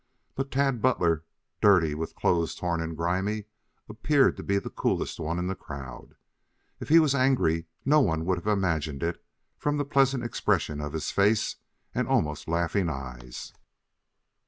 But Tad Butler, dirty, with clothes torn and grimy, appeared to be the coolest one in the crowd. If he was angry no one would have imagined it from the pleasant expression of his face and almost laughing eyes.